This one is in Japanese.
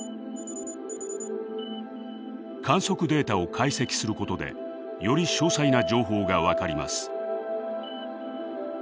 観測データを解析することでより詳細な情報が分かります。